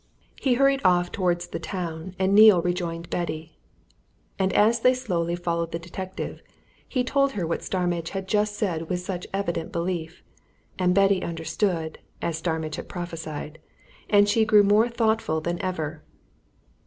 He hurried off towards the town, and Neale rejoined Betty. And as they slowly followed the detective, he told her what Starmidge had just said with such evident belief and Betty understood, as Starmidge had prophesied, and she grew more thoughtful than ever.